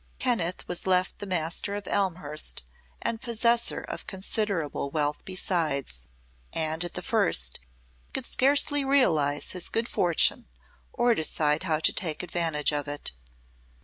Kenneth was left the master of Elmhurst and possessor of considerable wealth besides, and at first he could scarcely realize his good fortune or decide how to take advantage of it.